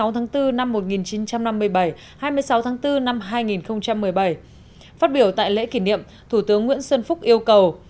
hai mươi tháng bốn năm một nghìn chín trăm năm mươi bảy hai mươi sáu tháng bốn năm hai nghìn một mươi bảy phát biểu tại lễ kỷ niệm thủ tướng nguyễn xuân phúc yêu cầu